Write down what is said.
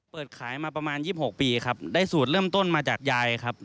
เปิดขายมาประมาณ๒๖ปีครับได้สูตรเริ่มต้นมาจากยายครับ